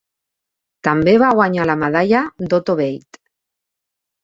També va guanyar la medalla d'Otto Beit.